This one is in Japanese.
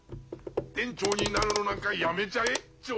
店長になるのなんかやめちゃえッチョ。